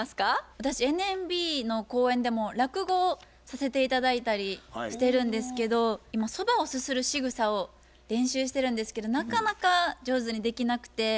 私ＮＭＢの公演でも落語をさせて頂いたりしてるんですけど今そばをすするしぐさを練習してるんですけどなかなか上手にできなくて。